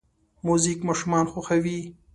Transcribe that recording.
موزیک ماشومان خوښوي.